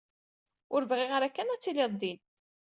Ur bɣiɣ ara kan ad tiliḍ din.